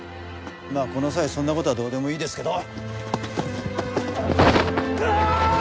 まあこの際そんな事はどうでもいいですけど。